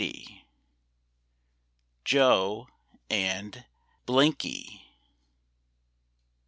] JOE AND BLINKY.